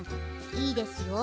いいですよ。